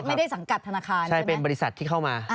ไม่ได้สังกัดธนาคารใช่ไหมใช่เป็นบริษัทที่เข้ามา